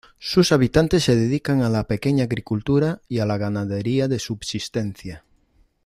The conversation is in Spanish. Sus habitantes se dedican a la pequeña agricultura y a la ganadería de subsistencia.